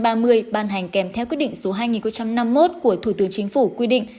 ban hành kèm theo quyết định số hai nghìn năm mươi một của thủ tướng chính phủ quy định